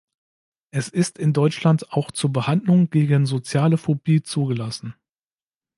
Es ist in Deutschland auch zur Behandlung gegen soziale Phobie zugelassen.